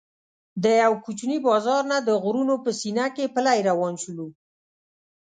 د یوه کوچني بازار نه د غرونو په سینه کې پلی روان شولو.